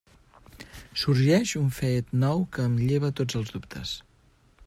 Sorgeix un fet nou que em lleva tots els dubtes.